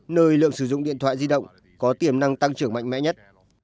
nơi lượng sử dụng điện thoại di động có tiềm năng tăng trưởng mạnh mẽ nhất